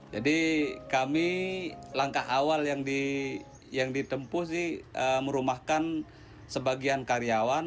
jadi kami langkah awal yang ditempuh sih merumahkan sebagian karyawan